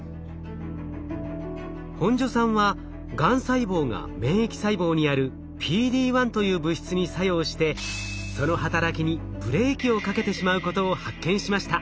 本庶さんはがん細胞が免疫細胞にあるＰＤ−１という物質に作用してその働きにブレーキをかけてしまうことを発見しました。